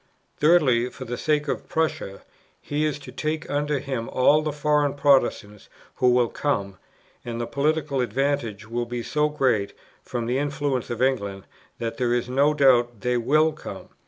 Thirdly, for the sake of Prussia, he is to take under him all the foreign Protestants who will come; and the political advantages will be so great, from the influence of England, that there is no doubt they will come.